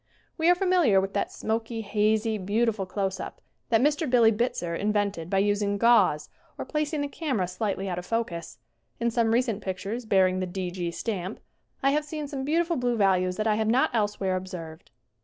We are familiar with that smoky, hazy, beautiful close up that Mr. "Billy" Bitzer in vented by using gauze or placing the camera slightly out of focus. In some recent pictures bearing the "D. G." stamp I have seen some beautiful blue values that I have not elsewhere observed.